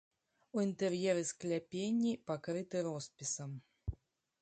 У інтэр'еры скляпенні пакрыты роспісам.